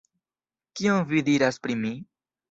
Kion vi diras pri mi?